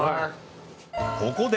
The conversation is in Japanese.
ここで